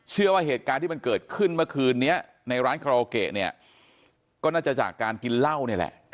เชื่อว่าเหตุการณ์ที่มันเกิดขึ้นเมื่อคืนนี้ในร้านคาราโอเกะเนี่ยก็น่าจะจากการกินเหล้านี่แหละ